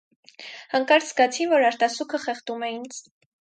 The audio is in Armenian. Հանկարծ զգացի, որ արտասուքը խեղդում է ինձ: